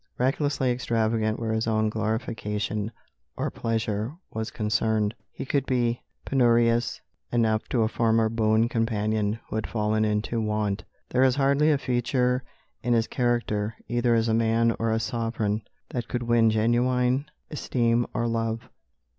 Recklessly extravagant where his own glorification or pleasure was concerned, he could be penurious enough to a former boon companion who had fallen into want. There is hardly a feature in his character, either as a man or a sovereign, that could win genuine esteem or love.